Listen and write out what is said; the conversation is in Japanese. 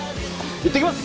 行ってきます。